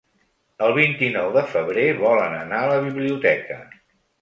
El vint-i-nou de febrer volen anar a la biblioteca.